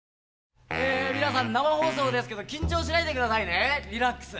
皆さん生放送ですけど緊張しないでくださいねリラックス。